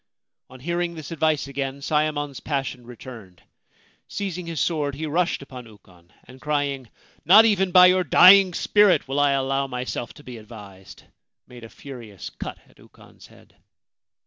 On hearing this advice again Sayemon's passion returned. Seizing his sword, he rushed upon Ukon, and, crying, ' Not even by your dying spirit will I allow myself to be advised,' made a furious cut at Ukon's head.